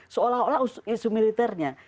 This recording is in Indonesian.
seolah olah isu militernya